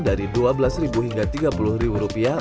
dari dua belas hingga tiga puluh rupiah